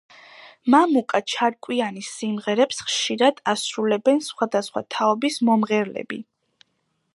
მამუკა ჩარკვიანის სიმღერებს ხშირად ასრულებენ სხვადასხვა თაობის მომღერლები.